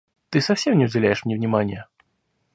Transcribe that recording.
Ты совсем не уделяешь мне внимания!